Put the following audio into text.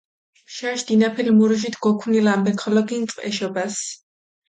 ბჟაშ დინაფილ მურუჟით გოქუნილ ამბექ ხოლო გინწყჷ ეშობას.